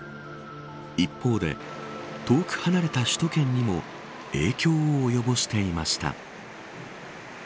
一方で、遠く離れた首都圏にも影響を及ぼしていました。